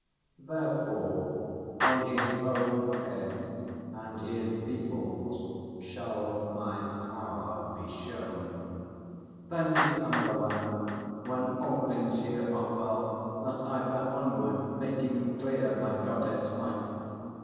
Therefore on his own Head and his people's shall my power be shown. Then to another land, when all things here Are well, must I fare onward, making clear My godhead's might.